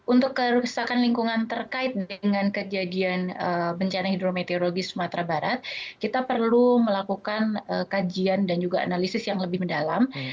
untuk kerusakan lingkungan terkait dengan kejadian bencana hidrometeorologi sumatera barat kita perlu melakukan kajian dan juga analisis yang lebih mendalam